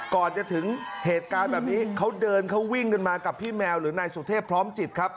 ก่อนจะถึงเหตุการณ์แบบนี้เขาเดินเขาวิ่งกันมากับพี่แมวหรือนายสุเทพพร้อมจิตครับ